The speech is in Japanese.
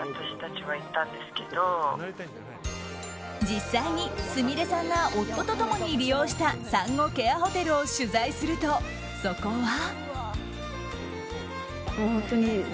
実際にすみれさんが夫と共に利用した産後ケアホテルを取材するとそこは。